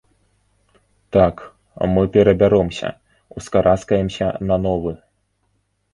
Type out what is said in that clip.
Так, мы перабяромся, ускараскаемся на новы.